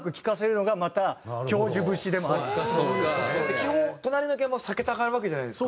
基本隣の鍵盤を避けたがるわけじゃないですか。